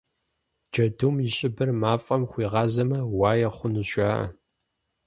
Джэдум и щӏыбыр мафӏэм хуигъазэмэ, уае хъунущ, жаӏэ.